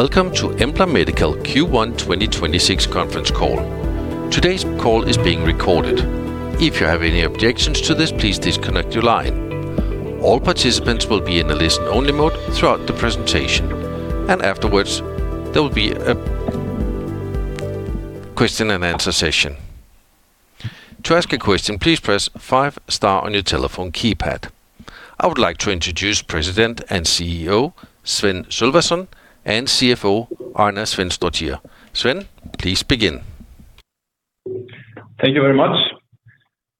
Welcome to Embla Medical Q1 2026 conference call. Today's call is being recorded. If you have any objections to this, please disconnect your line. All participants will be in a listen-only mode throughout the presentation, and afterwards there will be a question and answer session. To ask a question, please press five star on your telephone keypad. I would like to introduce President and CEO, Sveinn Sölvason, and CFO, Arna Sveinsdóttir. Sveinn, please begin. Thank you very much.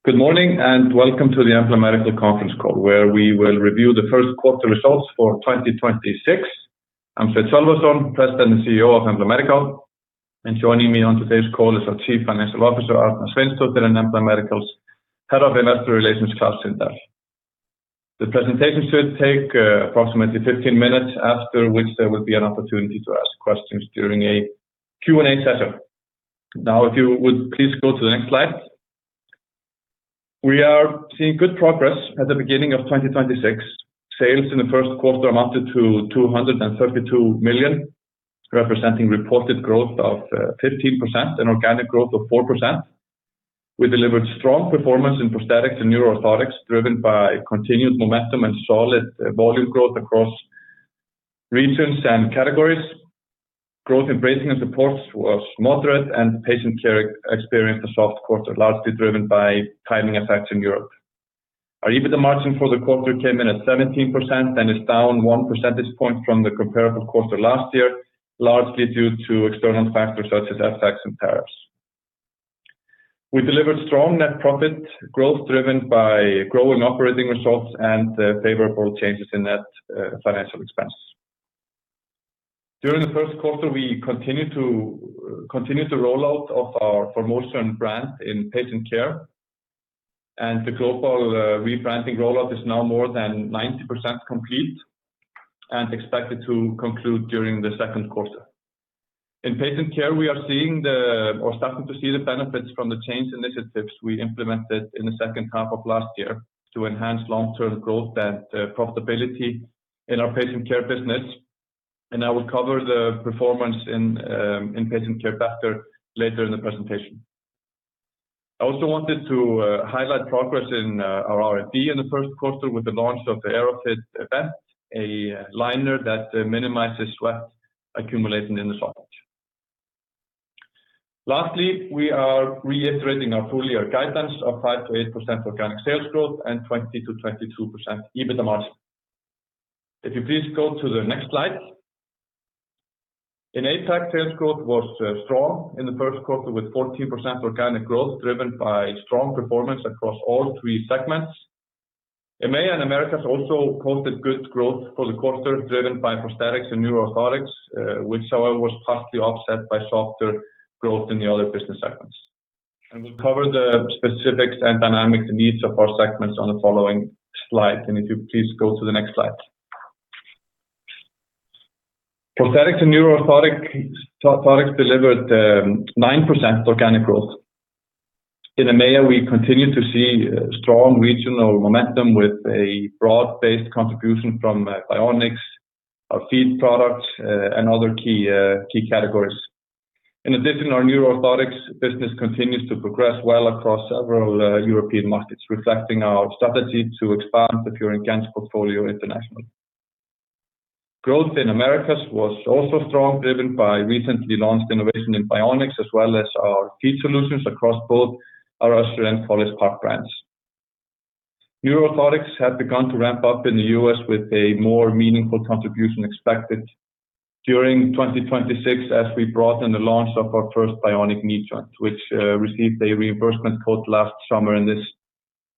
Good morning, and welcome to the Embla Medical conference call, where we will review the first quarter results for 2026. I'm Sveinn Sölvason, President and CEO of Embla Medical, and joining me on today's call is our Chief Financial Officer, Arna Sveinsdóttir, and Embla Medical's Head of Investor Relations, Klaus Sindahl. The presentation should take approximately 15 minutes, after which there will be an opportunity to ask questions during a Q&A session. Now, if you would please go to the next slide. We are seeing good progress at the beginning of 2026. Sales in the first quarter amounted to $232 million, representing reported growth of 15% and organic growth of 4%. We delivered strong performance Prosthetics & Neuro Orthotics, driven by continued momentum and solid volume growth across regions and categories. Growth in Bracing & Supports was moderate, and Patient Care experienced a soft quarter, largely driven by timing effects in Europe. Our EBITDA margin for the quarter came in at 17% and is down one percentage point from the comparable quarter last year, largely due to external factors such as FX and tariffs. We delivered strong net profit growth driven by growing operating results and favorable changes in net financial expenses. During the first quarter, we continued the rollout of our ForMotion brand in Patient Care, and the global rebranding rollout is now more than 90% complete and expected to conclude during the second quarter. In Patient Care, we are seeing, or starting to see, the benefits from the change initiatives we implemented in the second half of last year to enhance long-term growth and profitability in our Patient Care business. I will cover the performance in patient care later in the presentation. I also wanted to highlight progress in our R&D in the first quarter with the launch of the AeroFit Vent, a liner that minimizes sweat accumulating in the socket. Lastly, we are reiterating our full year guidance of 5%-8% organic sales growth and 20%-22% EBITDA margin. If you please go to the next slide. In APAC, sales growth was strong in the first quarter with 14% organic growth driven by strong performance across all three segments. EMEA and Americas also posted good growth for the quarter, driven by Prosthetics & Neuro Orthotics, which however was partly offset by softer growth in the other business segments. I will cover the specifics and dynamics in each of our segments on the following slide. If you please go to the next slide. Prosthetics & Neuro Orthotics delivered 9% organic growth. In EMEA, we continue to see strong regional momentum with a broad-based contribution from bionics, our feet products, and other key categories. In addition, our Neuro Orthotics business continues to progress well across several European markets, reflecting our strategy to expand the Pure Intent portfolio internationally. Growth in Americas was also strong, driven by recently launched innovation in bionics as well as our feet solutions across both our Össur and College Park brands. Neuro Orthotics have begun to ramp up in the U.S. with a more meaningful contribution expected during 2026 as we broaden the launch of our first bionic knee joint, which received a reimbursement code last summer in this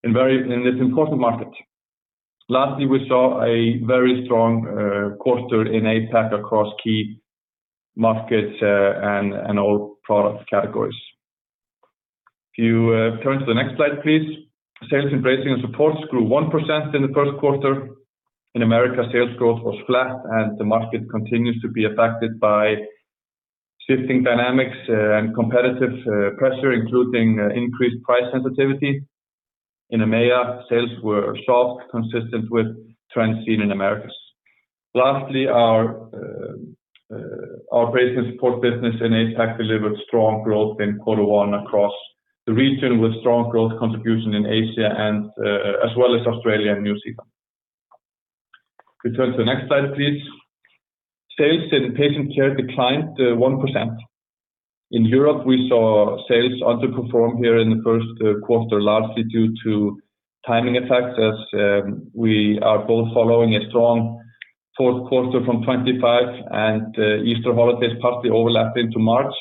important market. Lastly, we saw a very strong quarter in APAC across key markets and all product categories. If you turn to the next slide, please. Sales in Bracing & Supports grew 1% in the first quarter. In America, sales growth was flat, and the market continues to be affected by shifting dynamics and competitive pressure, including increased price sensitivity. In EMEA, sales were soft, consistent with trends seen in Americas. Lastly, our Bracing & Supports business in APAC delivered strong growth in quarter one across the region with strong growth contribution in Asia as well as Australia and New Zealand. If you turn to the next slide, please. Sales in Patient Care declined 1%. In Europe, we saw sales underperform here in the first quarter, largely due to timing effects as we are both following a strong fourth quarter from 2025 and Easter holidays partly overlapped into March.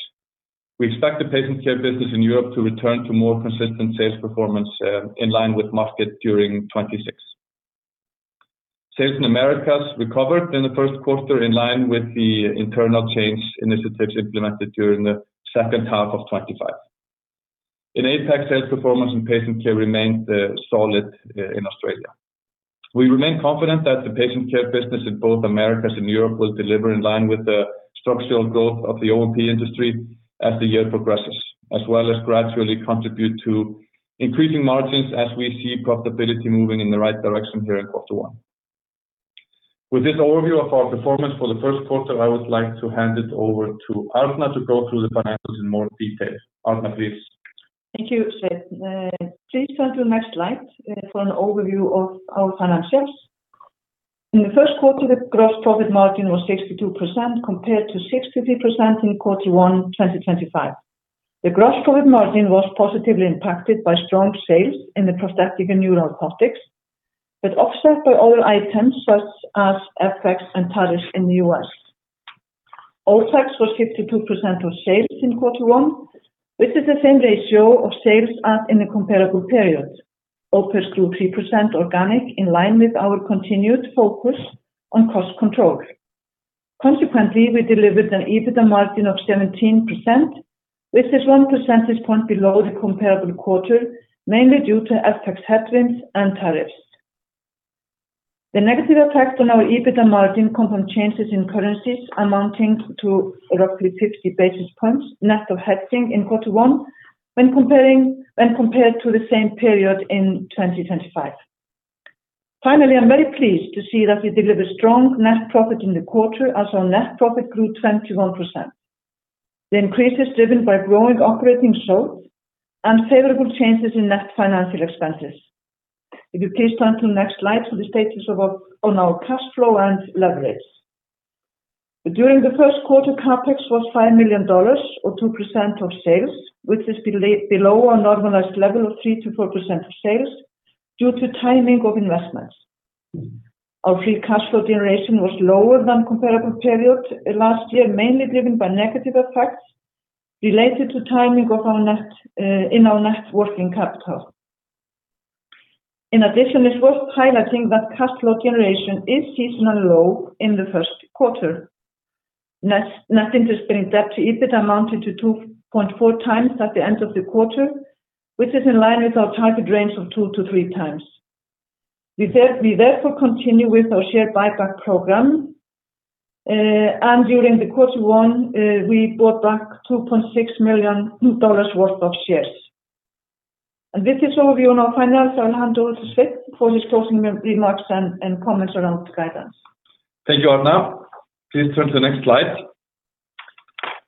We expect the Patient Care business in Europe to return to more consistent sales performance in line with market during 2026. Sales in Americas recovered in the first quarter in line with the internal change initiatives implemented during the second half of 2025. In APAC, sales performance in Patient Care remained solid in Australia. We remain confident that the Patient Care business in both Americas and Europe will deliver in line with the structural growth of the O&P industry as the year progresses, as well as gradually contribute to increasing margins as we see profitability moving in the right direction here in quarter one. With this overview of our performance for the first quarter, I would like to hand it over to Arna to go through the financials in more detail. Arna, please. Thank you, Sveinn. Please turn to the next slide for an overview of our financials. In the first quarter, the gross profit margin was 62% compared to 63% in Q1 2025. The gross profit margin was positively impacted by strong sales in Prosthetics & Neuro Orthotics, but offset by all items such as FX and tariffs in the U.S. OpEx was 52% of sales in Q1, which is the same ratio of sales as in the comparable period. OpEx grew 3% organically in line with our continued focus on cost control. Consequently, we delivered an EBITDA margin of 17%, which is 1 percentage point below the comparable quarter, mainly due to FX headwinds and tariffs. The negative effect on our EBITDA margin from changes in currencies amounting to roughly 50 basis points net of hedging in quarter one when compared to the same period in 2025. Finally, I'm very pleased to see that we delivered strong net profit in the quarter as our net profit grew 21%. The increase is driven by growing operating sales and favorable changes in net financial expenses. If you please turn to the next slide for the status on our cash flow and leverage. During the first quarter, CapEx was $5 million or 2% of sales, which is below our normalized level of 3%-4% of sales due to timing of investments. Our free cash flow generation was lower than comparable period last year, mainly driven by negative effects related to timing of our net working capital. In addition, it's worth highlighting that cash flow generation is seasonally low in the first quarter. Net interest and debt to EBITDA amounted to 2.4x at the end of the quarter, which is in line with our target range of 2x-3x. We therefore continue with our share buyback program. During quarter one, we bought back $2.6 million worth of shares. With this overview on our financials, I'll hand over to Sveinn for his closing remarks and comments around guidance. Thank you, Arna. Please turn to the next slide.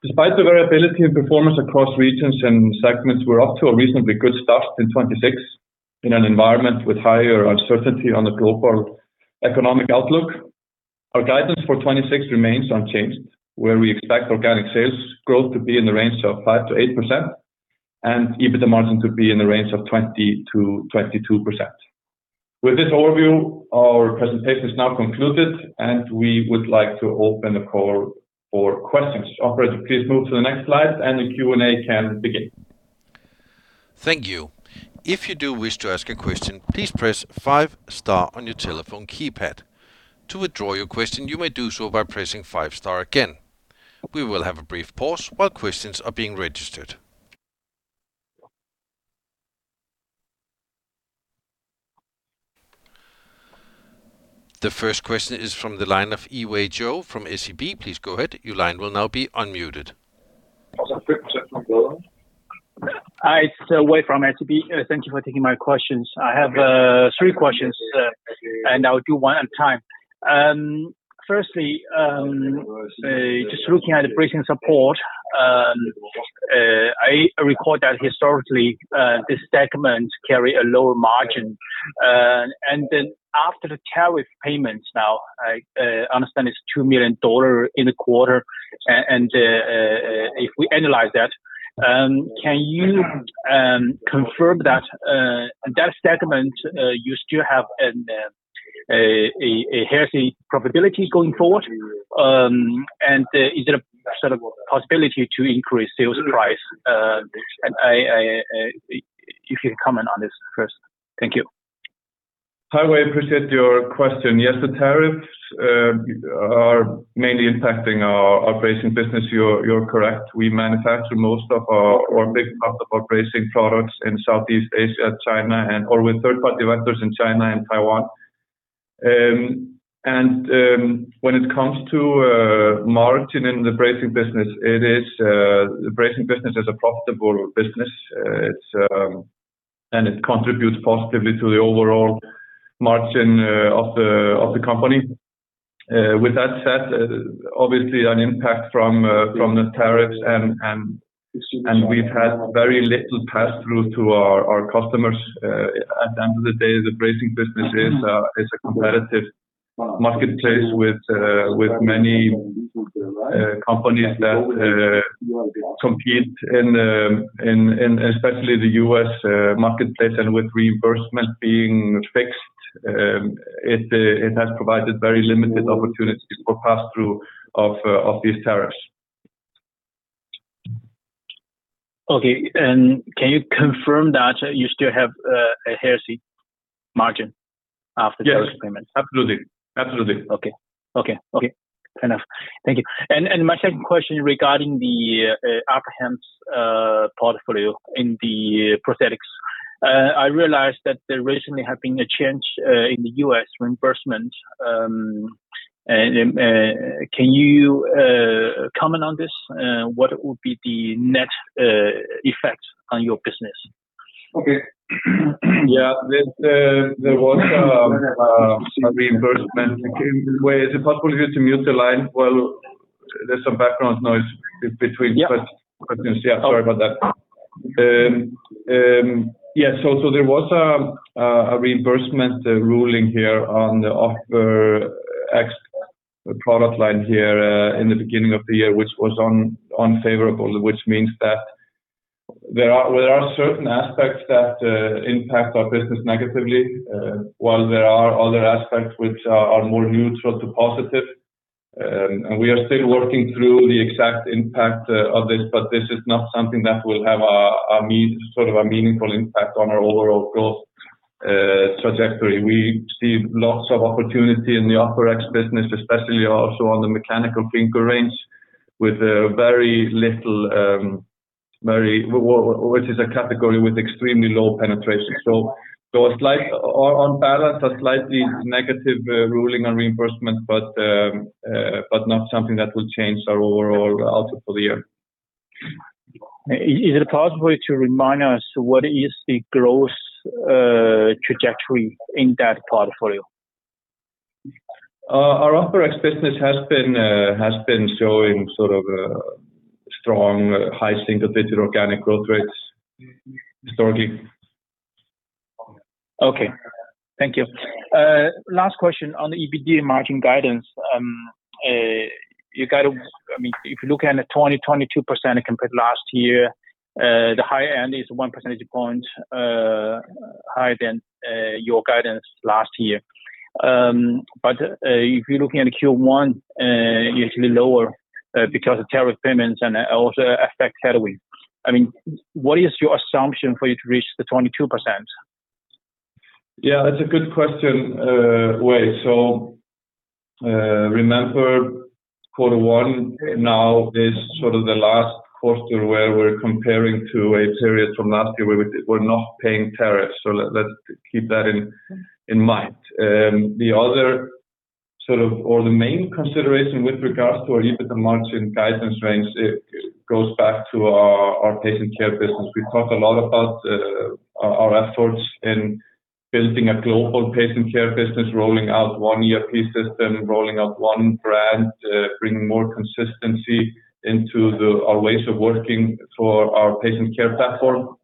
Despite the variability in performance across regions and segments, we're off to a reasonably good start in 2026 in an environment with higher uncertainty on the global economic outlook. Our guidance for 2026 remains unchanged, where we expect organic sales growth to be in the range of 5%-8% and EBITDA margin to be in the range of 20%-22%. With this overview, our presentation is now concluded, and we would like to open the call for questions. Operator, please move to the next slide and the Q&A can begin. Thank you. If you do wish to ask a question, please press five star on your telephone keypad. To withdraw your question, you may do so by pressing five star again. We will have a brief pause while questions are being registered. The first question is from the line of Yiwei Zhou from SEB. Please go ahead. Your line will now be unmuted. Also, Sveinn from Geode. Hi, it's Wei from SEB. Thank you for taking my questions. I have three questions, and I'll do one at a time. Firstly, just looking at the Bracing & Supports, I recall that historically, this segment carry a lower margin. Then after the tariff payments now, I understand it's $2 million in the quarter and, if we annualize that, can you confirm that that segment you still have a healthy profitability going forward? Is there a sort of possibility to increase sales price? If you could comment on this first. Thank you. Hi, Wei. Appreciate your question. Yes, the tariffs are mainly impacting our bracing business. You're correct. We manufacture most of our bracing products in Southeast Asia, China, or with third-party vendors in China and Taiwan. When it comes to margin in the bracing business, the bracing business is a profitable business. It contributes positively to the overall margin of the company. With that said, obviously an impact from the tariffs and we've had very little pass-through to our customers. At the end of the day, the bracing business is a competitive marketplace with many companies that compete in especially the U.S. marketplace and with reimbursement being fixed, it has provided very limited opportunities for pass-through of these tariffs. Okay. Can you confirm that you still have a healthy margin after- Yes. The tariff payments? Absolutely. Okay. Fair enough. Thank you. My second question regarding the upper limbs portfolio in the prosthetics. I realized that there recently have been a change in the U.S. reimbursement. Can you comment on this? What would be the net effect on your business? Okay. Yeah. There was a reimbursement. Wait, is it possible for you to mute the line? Well, there's some background noise between- Yeah. Questions. Yeah. Sorry about that. There was a reimbursement ruling here on the OfferX product line here in the beginning of the year, which was unfavorable. Which means that there are certain aspects that impact our business negatively while there are other aspects which are more neutral to positive. We are still working through the exact impact of this, but this is not something that will have a meaningful impact on our overall growth trajectory. We see lots of opportunity in the OfferX business, especially also on the mechanical finger range, with very little, which is a category with extremely low penetration. A slight... On balance, a slightly negative ruling on reimbursement, but not something that will change our overall outlook for the year. Is it possible to remind us what is the growth trajectory in that portfolio? Our OfferX business has been showing sort of strong, high single-digit organic growth rates historically. Okay. Thank you. Last question on the EBITDA margin guidance. I mean, if you look at the 20%-22% compared to last year, the high end is one percentage point higher than your guidance last year. But if you're looking at Q1, usually lower, because of tariff payments and also FX headwind. I mean, what is your assumption for you to reach the 22%? Yeah, that's a good question, Wei. Remember quarter one now is sort of the last quarter where we're comparing to a period from last year where we were not paying tariffs. Let's keep that in mind. The main consideration with regards to our EBITDA margin guidance range, it goes back to our Patient Care business. We've talked a lot about our efforts in building a global Patient Care business, rolling out one ERP system, rolling out one brand, bringing more consistency into our ways of working for our Patient Care platform.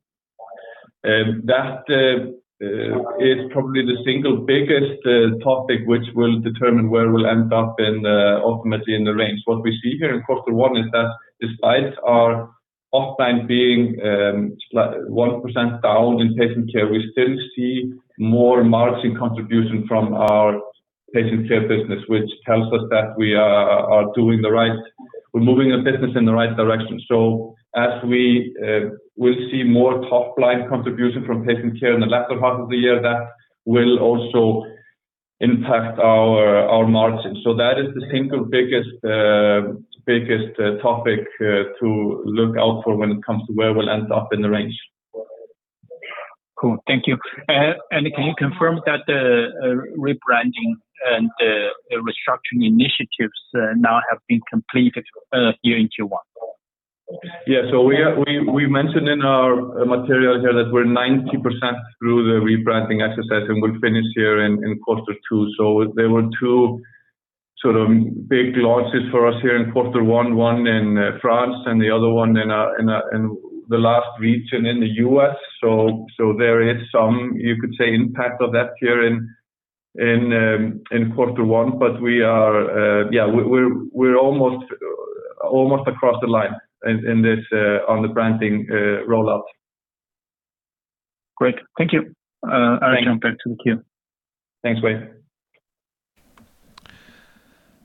That is probably the single biggest topic which will determine where we'll end up ultimately in the range. What we see here in quarter one is that despite our off time being 1% down in Patient Care, we still see more margin contribution from our Patient Care business, which tells us that we are moving the business in the right direction. As we will see more top line contribution from Patient Care in the latter half of the year, that will also impact our margins. That is the single biggest topic to look out for when it comes to where we'll end up in the range. Cool. Thank you. Can you confirm that the rebranding and the restructuring initiatives now have been completed here in Q1? Yeah. We mentioned in our material here that we're 90% through the rebranding exercise, and we'll finish here in quarter two. There were two sort of big launches for us here in quarter one in France and the other one in the last region in the U.S. There is some, you could say, impact of that here in quarter one. Yeah, we're almost across the line in this on the branding rollout. Great. Thank you. I'll jump back to the queue. Thanks, Wei.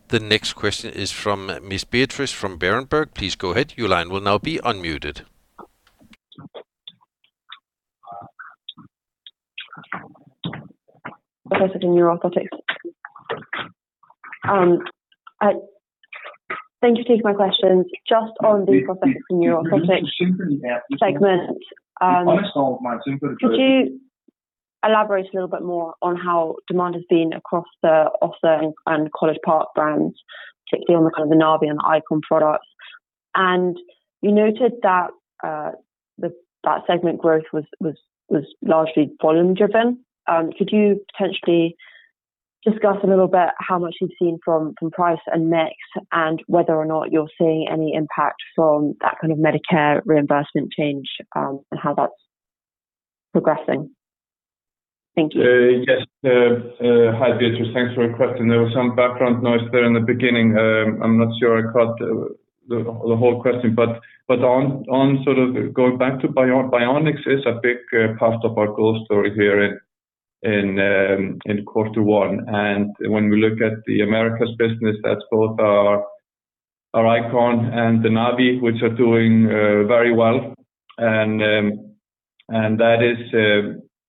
The next question is from Ms. Beatrice from Berenberg. Please go ahead. Professor in Neuroprosthetics. Thank you for taking my questions. Just on the Prosthetics & Neuro Orthotics segment, could you elaborate a little bit more on how demand has been across the Össur and College Park brands, particularly on the kind of the NAVii and the Icon products? You noted that that segment growth was largely volume driven. Could you potentially discuss a little bit how much you've seen from price and mix and whether or not you're seeing any impact from that kind of Medicare reimbursement change, and how that's progressing? Thank you. Yes. Hi, Beatrice. Thanks for your question. There was some background noise there in the beginning. I'm not sure I caught the whole question, but on sort of going back to bionics is a big part of our growth story here in quarter one. When we look at the Americas business, that's both our Icon and the NAVii, which are doing very well. That is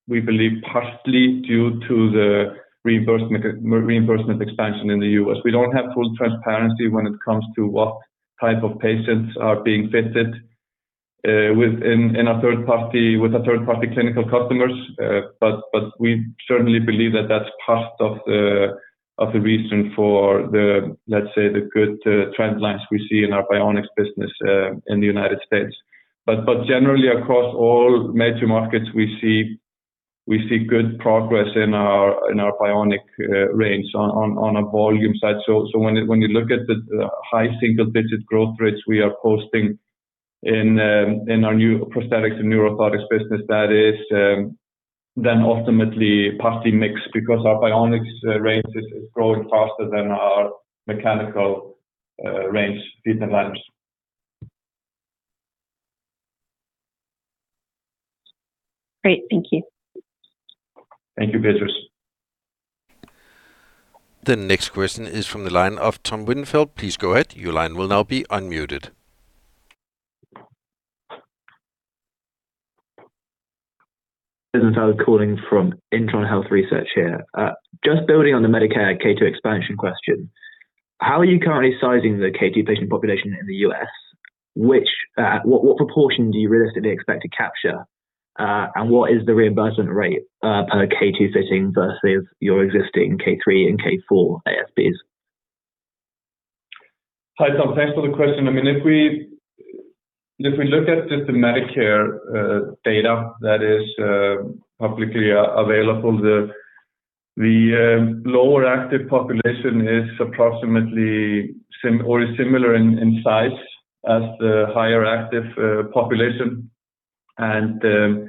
we believe partly due to the reimbursement expansion in the U.S. We don't have full transparency when it comes to what type of patients are being fitted within third-party clinical customers. We certainly believe that that's part of the reason for the, let's say, the good trend lines we see in our bionics business in the United States. Generally across all major markets, we see good progress in our bionic range on a volume side. When you look at the high single digit growth rates we are posting in our new Prosthetics & Neuro Orthotics business, that is then ultimately partly mix because our bionics range is growing faster than our mechanical range treatment lines. Great. Thank you. Thank you, Beatrice. The next question is from the line of Tom Rosenfeld Please go ahead. Your line will now be unmuted. Rosenfeld calling from Intron Health Research here. Just building on the Medicare K2 expansion question, how are you currently sizing the K2 patient population in the U.S.? What proportion do you realistically expect to capture? What is the reimbursement rate per K2 fitting versus your existing K3 and K4 ASPs? Hi, Tom. Thanks for the question. I mean, if we look at just the Medicare data that is publicly available, the lower active population is similar in size to the higher active population. When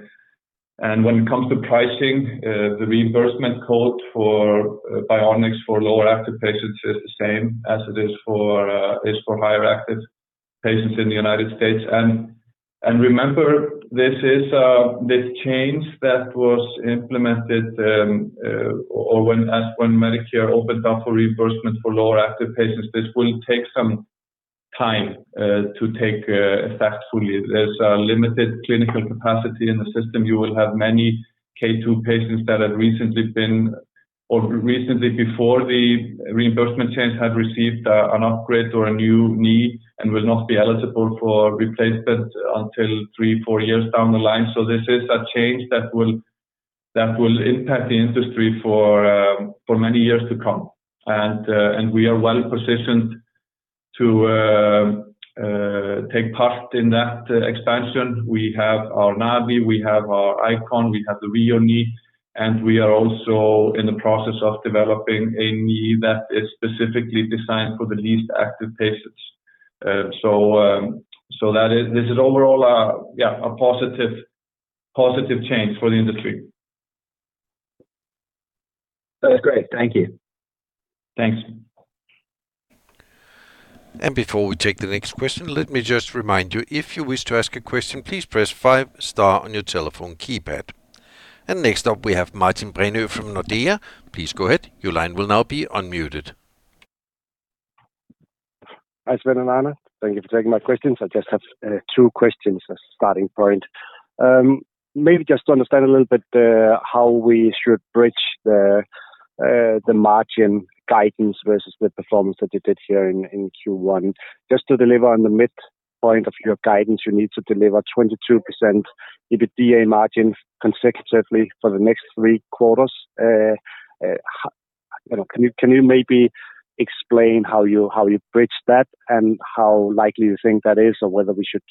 it comes to pricing, the reimbursement code for bionics for lower active patients is the same as it is for higher active patients in the United States. Remember, this change that was implemented when, as when Medicare opened up for reimbursement for lower active patients. This will take some time to take effect fully. There's a limited clinical capacity in the system. You will have many K2 patients that have recently been or recently before the reimbursement change had received an upgrade or a new knee and will not be eligible for replacement until three to four years down the line. This is a change that will impact the industry for many years to come. We are well positioned to take part in that expansion. We have our NAVii, we have our Icon, we have the RHEO KNEE, and we are also in the process of developing a knee that is specifically designed for the least active patients. This is overall a positive change for the industry. That's great. Thank you. Thanks. Before we take the next question, let me just remind you, if you wish to ask a question, please press five star on your telephone keypad. Next up, we have Martin Brenøe from Nordea. Please go ahead. Your line will now be unmuted. Hi, Sveinn and Arna. Thank you for taking my questions. I just have two questions as a starting point. Maybe just to understand a little bit how we should bridge the margin guidance versus the performance that you did here in Q1. Just to deliver on the midpoint of your guidance, you need to deliver 22% EBITDA margin consecutively for the next three quarters. You know, can you maybe explain how you bridge that and how likely you think that is or whether we should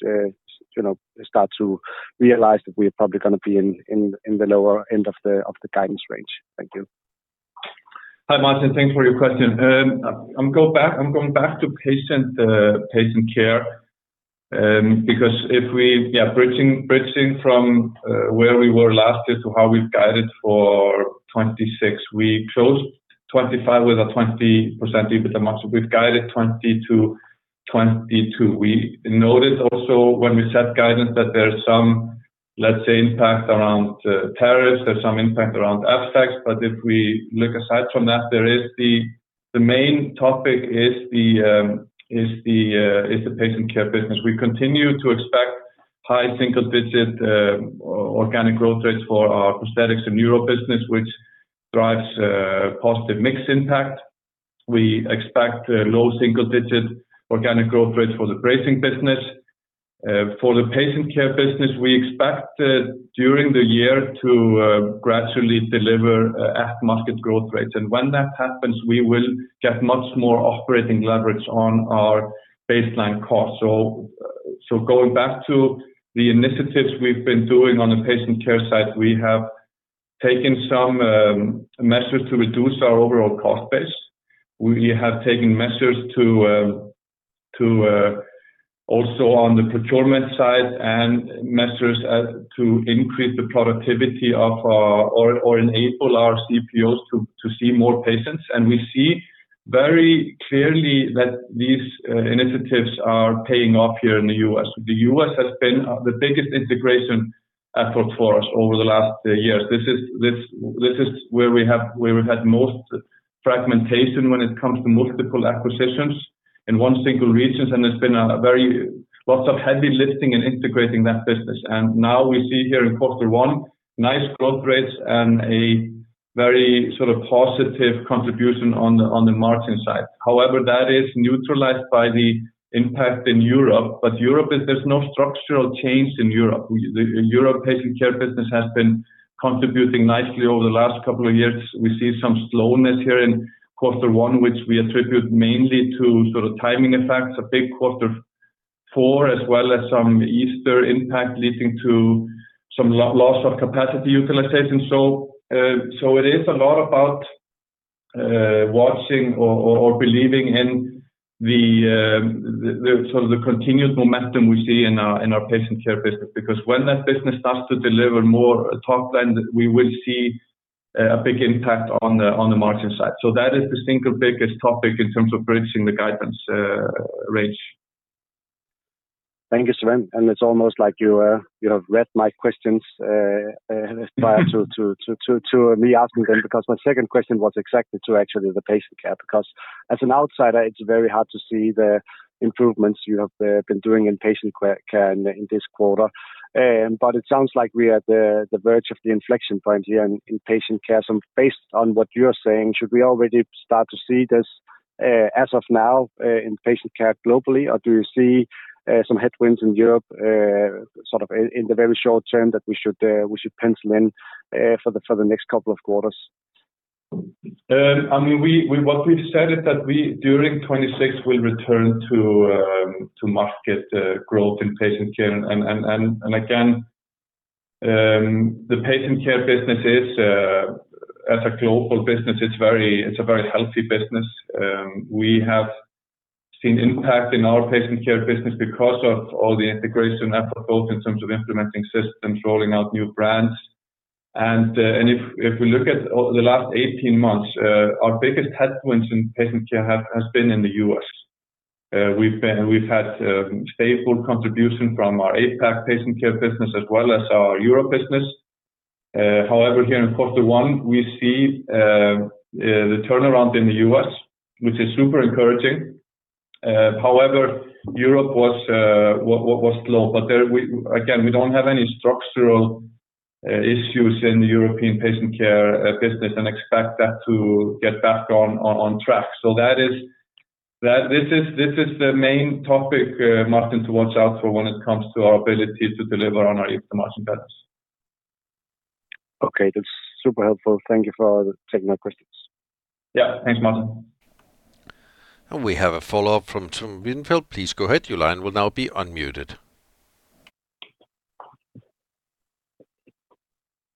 you know start to realize that we're probably gonna be in the lower end of the guidance range? Thank you. Hi, Martin. Thanks for your question. I'm going back to Patient Care because bridging from where we were last year to how we've guided for 2026, we closed 2025 with a 20% EBITDA margin. We've guided 20%-22%. We noticed also when we set guidance that there's some, let's say, impact around tariffs. There's some impact around FX. If we look aside from that, the main topic is the Patient Care business. We continue to expect high single digit organic growth rates for our Prosthetics and Neuro business, which drives positive mix impact. We expect low single digit organic growth rate for the Bracing business. For the Patient Care business, we expect during the year to gradually deliver at market growth rates. When that happens, we will get much more operating leverage on our baseline cost. Going back to the initiatives we've been doing on the Patient Care side, we have taken some measures to reduce our overall cost base. We have taken measures to also on the procurement side and measures to increase the productivity or enable our CPOs to see more patients. We see very clearly that these initiatives are paying off here in the U.S. The U.S. has been the biggest integration effort for us over the last years. This is where we've had most fragmentation when it comes to multiple acquisitions in one single region. It's been lots of heavy lifting and integrating that business. Now we see here in quarter one nice growth rates and a very sort of positive contribution on the margin side. However, that is neutralized by the impact in Europe. There's no structural change in Europe. The Europe Patient Care business has been contributing nicely over the last couple of years. We see some slowness here in quarter one, which we attribute mainly to sort of timing effects, a big quarter four, as well as some Easter impact leading to some loss of capacity utilization. It is a lot about watching or believing in the continuous momentum we see in our Patient Care business. Because when that business starts to deliver more top line, we will see a big impact on the margin side. That is the single biggest topic in terms of bridging the guidance range. Thank you, Sveinn. It's almost like you have read my questions prior to me asking them, because my second question was exactly to actually the Patient Care. Because as an outsider, it's very hard to see the improvements you have been doing in Patient Care in this quarter. It sounds like we are at the verge of the inflection point here in Patient Care. Based on what you're saying, should we already start to see this as of now in Patient Care globally, or do you see some headwinds in Europe sort of in the very short term that we should pencil in for the next couple of quarters? I mean, what we've said is that during 2026 we'll return to market growth in Patient Care. Again, the Patient Care business is, as a global business, a very healthy business. We have seen impact in our Patient Care business because of all the integration efforts both in terms of implementing systems, rolling out new brands. If we look at the last 18 months, our biggest headwinds in Patient Care have been in the U.S. We've had stable contribution from our APAC Patient Care business as well as our Europe business. However, here in quarter one, we see the turnaround in the U.S., which is super encouraging. However, Europe was slow there we, again, we don't have any structural issues in the European Patient Care business and expect that to get back on track. This is the main topic, Martin, to watch out for when it comes to our ability to deliver on our EBITDA margin guidance. Okay. That's super helpful. Thank you for taking my questions. Yeah. Thanks, Martin. We have a follow-up from Tom Rosenfeld. Please go ahead. Your line will now be unmuted.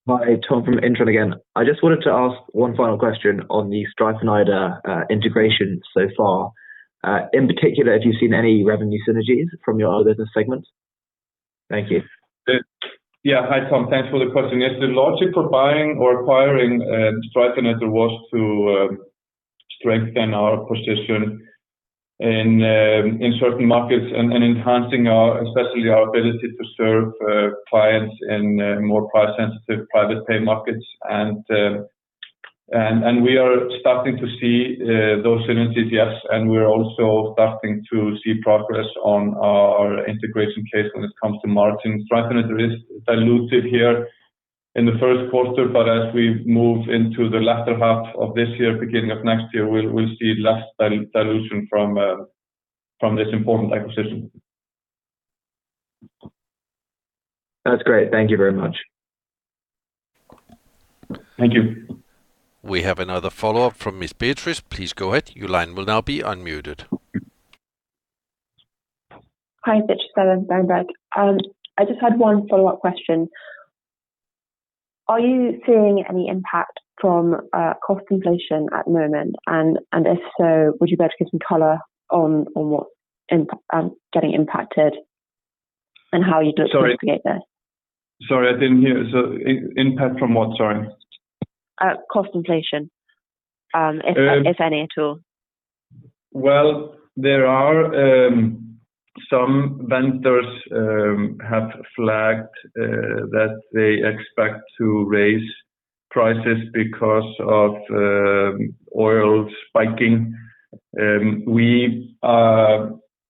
Hi, Tom from Intron again. I just wanted to ask one final question on the Streifeneder integration so far. In particular, have you seen any revenue synergies from your other business segments? Thank you. Yeah. Hi, Tom. Thanks for the question. Yes, the logic for buying or acquiring Streifeneder was to strengthen our position in certain markets and enhancing our, especially our ability to serve clients in more price-sensitive private pay markets. We are starting to see those synergies, yes, and we're also starting to see progress on our integration case when it comes to margin. Streifeneder is diluted here in the first quarter, but as we move into the latter half of this year, beginning of next year, we'll see less dilution from this important acquisition. That's great. Thank you very much. Thank you. We have another follow-up from Miss Beatrice. Please go ahead. Your line will now be unmuted. Hi, it's Beatrice Berenberg. I just had one follow-up question. Are you seeing any impact from cost inflation at the moment? If so, would you be able to give some color on what is getting impacted and how you're looking- Sorry. To mitigate this? Sorry, I didn't hear. Impact from what, sorry? Cost inflation, if any at all. Well, there are some vendors have flagged that they expect to raise prices because of oil spiking.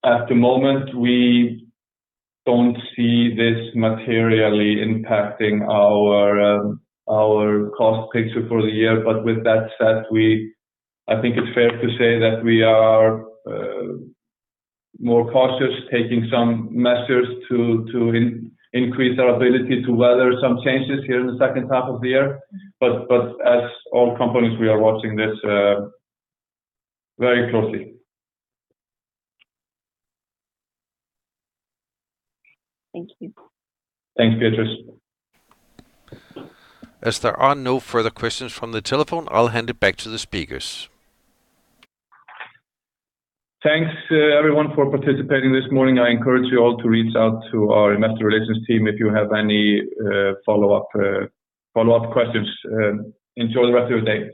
At the moment, we don't see this materially impacting our cost picture for the year. With that said, I think it's fair to say that we are more cautious taking some measures to increase our ability to weather some changes here in the second half of the year. As all companies, we are watching this very closely. Thank you. Thanks, Beatrice. As there are no further questions from the telephone, I'll hand it back to the speakers. Thanks, everyone for participating this morning. I encourage you all to reach out to our investor relations team if you have any follow-up questions. Enjoy the rest of your day.